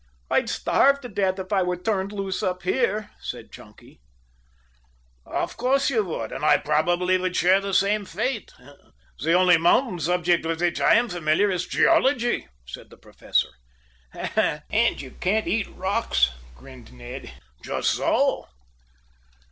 "I'd starve to death if I were turned loose up here," said Chunky. "Of course you would; and I probably should share the same fate. The only mountain subject with which I am familiar is geology," said the Professor. "And you can't eat rocks," grinned Ned. "Just so."